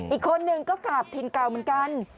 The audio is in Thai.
อีกคนหนึ่งก็กลับทินเก่ามันกัน